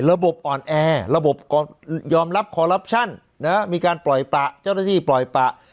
ระบบอ่อนแอระบบยอมรับคอลลับชั่นมีการปล่อยปะเจ้าหน้าที่ปล่อยปะ